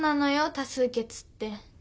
多数決って。